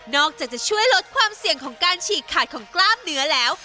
อกจากจะช่วยลดความเสี่ยงของการฉีกขาดของกล้ามเนื้อแล้ว